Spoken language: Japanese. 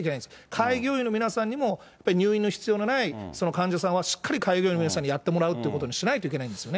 開業医の皆さんにも、やっぱり入院の必要のないその患者さんはしっかり開業医の皆さんにやってもらうということにしないといけないんですよね。